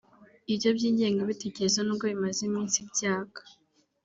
Ibyo by’ingengabitekerezo nubwo bimaze iminsi byaka